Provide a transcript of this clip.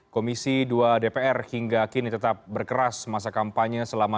komisi dua dpr hingga kini tetap berkeras masa kampanye selama tujuh puluh lima hari